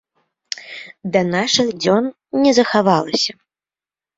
Да нашых дзён не захавалася.